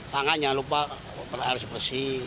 tangan jangan lupa harus bersih